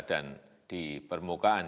dan di permukaan